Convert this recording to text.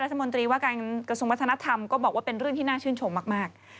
รัฐมนตรีว่าการกระทรวงวัฒนธรรมก็บอกว่าเป็นเรื่องที่น่าชื่นชมมาก